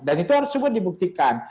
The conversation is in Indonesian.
dan itu harus semua dibuktikan